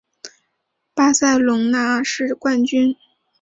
巴塞隆拿是冠军。